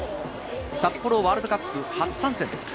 札幌ワールドカップ初参戦です。